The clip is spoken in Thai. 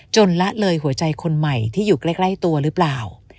ละเลยหัวใจคนใหม่ที่อยู่ใกล้ตัวหรือเปล่า